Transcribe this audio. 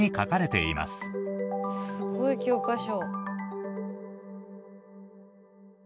すごい教科書。